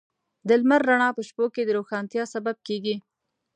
د لمر رڼا په شپو کې د روښانتیا سبب کېږي.